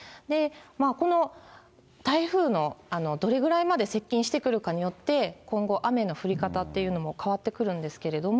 この台風の、どれぐらいまで接近してくるかによって、今後、雨の降り方っていうのも変わってくるんですけれども。